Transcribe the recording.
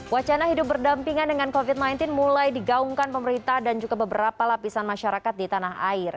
wacana hidup berdampingan dengan covid sembilan belas mulai digaungkan pemerintah dan juga beberapa lapisan masyarakat di tanah air